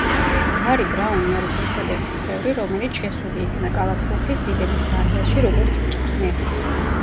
ლარი ბრაუნი არის ერთადერთი წევრი, რომელიც შესული იქნა კალათბურთის დიდების დარბაზში, როგორც მწვრთნელი.